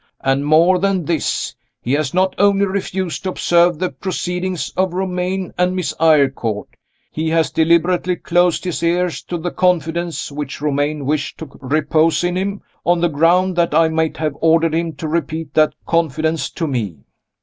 And, more than this, he has not only refused to observe the proceedings of Romayne and Miss Eyrecourt he has deliberately closed his ears to the confidence which Romayne wished to repose in him, on the ground that I might have ordered him to repeat that confidence to me.